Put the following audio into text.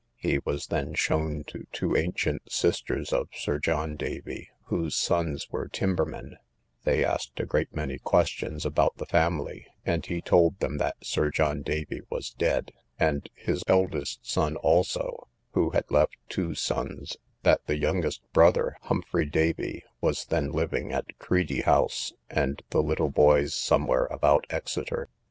He was then shown to two ancient sisters of Sir John Davy, whose sons were timbermen: they asked a great many questions about the family, and he told them that Sir John Davy was dead, and his eldest son also, who had left two sons; that the youngest brother, Humphrey Davy, was then living at Creedy house, and the little boys somewhere about Exeter.